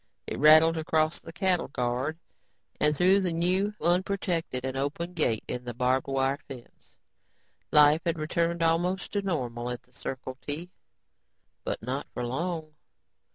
It rattled across the cattle guard and through the new unprotected and open gate in the barbed wire fence. Life had returned almost to normal at the Circle T. But not for long.